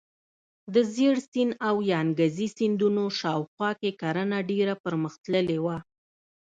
د ژیړ سیند او یانګزي سیندونو شاوخوا کې کرنه ډیره پرمختللې وه.